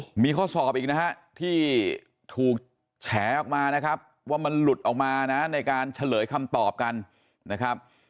มีข้อสอบอีกนะฮะที่ถูกแฉออกมานะครับว่ามันหลุดออกมานะในการเฉลยคำตอบกันนะครับ